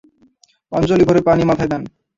অঞ্জলি ভরে পানি মাথায় দেন।